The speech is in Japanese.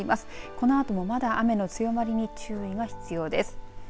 このあともまだ雨の強まりに注意が必要です。